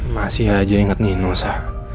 masih aja inget nino sa